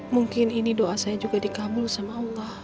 mungkin ini doa saya juga dikabul sama allah